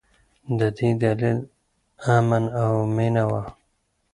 د دې دلیل امن او مینه وه.